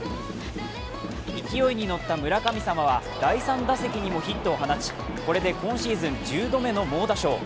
勢いに乗った村神様は第３打席にもヒットを放ちこれで今シーズン１０度目の猛打賞。